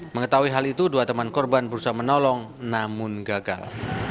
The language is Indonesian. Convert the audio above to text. mengetahui hal itu dua teman korban berusaha menolong namun gagal